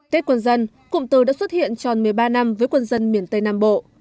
tết quân dân cụm từ đã xuất hiện tròn một mươi ba năm với quân dân miền tây nam bộ